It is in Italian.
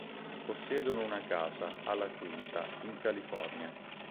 Possiedono una casa a La Quinta, in California.